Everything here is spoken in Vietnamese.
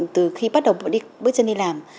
từ khi bắt đầu bước chân đi làm